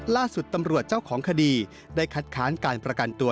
ล่าสุดตำรวจเจ้าของคดีได้คัดค้านการประกันตัว